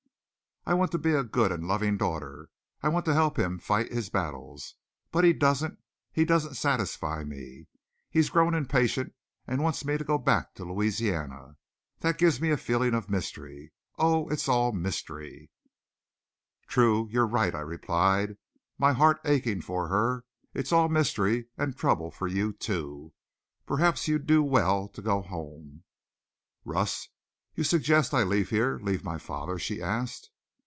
"I want to be a good and loving daughter. I want to help him fight his battles. But he doesn't he doesn't satisfy me. He's grown impatient and wants me to go back to Louisiana. That gives me a feeling of mystery. Oh, it's all mystery!" "True, you're right," I replied, my heart aching for her. "It's all mystery and trouble for you, too. Perhaps you'd do well to go home." "Russ, you suggest I leave here leave my father?" she asked.